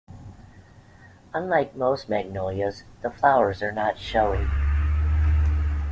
Unlike most magnolias, the flowers are not showy.